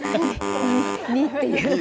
２っていう。